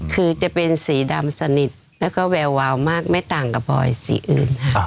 คือจะเป็นสีดำซะนิดแล้วก็แววไม่ต่างกับบ่อยสีอื่น